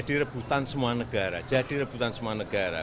itu jadi rebutan semua negara